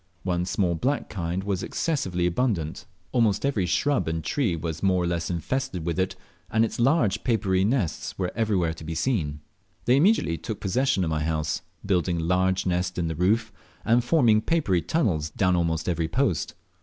One small black kind was excessively abundant. Almost every shrub and tree was more or less infested with it, and its large papery nests were everywhere to be seen. They immediately took possession of my house, building a large nest in the roof, and forming papery tunnels down almost every post.